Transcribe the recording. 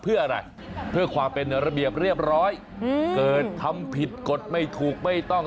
เพื่ออะไรเพื่อความเป็นระเบียบเรียบร้อยเกิดทำผิดกฎไม่ถูกไม่ต้อง